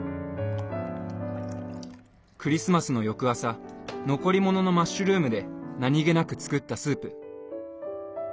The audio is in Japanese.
クリスマスの翌朝残り物のマッシュルームで何気なく作ったスープ。